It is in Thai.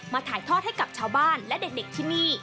ถ่ายทอดให้กับชาวบ้านและเด็กที่นี่